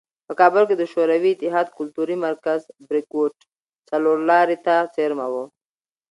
په کابل کې د شوروي اتحاد کلتوري مرکز "بریکوټ" څلورلارې ته څېرمه و.